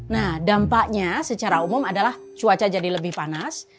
nah dampaknya secara umum adalah cuaca jadi lebih panas